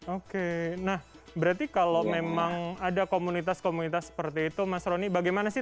oke nah berarti kalau memang ada komunitas komunitas seperti itu mas roni bagaimana sih